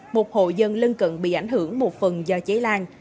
một hộ dân lân cận bị ảnh hưởng một phần do cháy lan